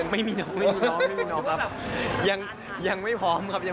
ไม่มีน้องครับยังไม่พร้อมครับครับ